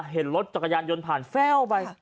เห็นรถจักรยานยนต์ผ่านแฟ่วไป